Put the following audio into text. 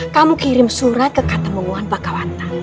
kamu kirim surat ke kata mungguan bakawata